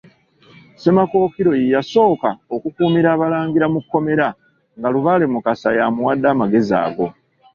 Ssemakookiro ye yasooka okukuumira Abalangira mu kkomera nga Lubaale Mukasa ye amuwadde amagezi ago.